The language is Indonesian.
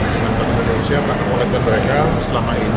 dengan bank indonesia karena komitmen mereka selama ini